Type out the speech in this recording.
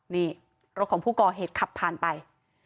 นี่รถของผู้ก่อเหตุขับผ่านไป